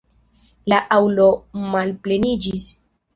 La aŭlo malpleniĝis.